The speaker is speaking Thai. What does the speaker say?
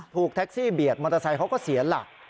ถูกแท็กซี่เบียดมอเตอร์ไซค์เขาก็เสียหลัก